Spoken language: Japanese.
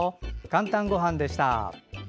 「かんたんごはん」でした。